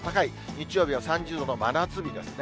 日曜日は３０度の真夏日ですね。